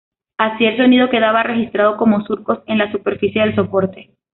Así, el sonido quedaba registrado como surcos en la superficie del soporte.